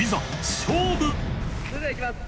それではいきます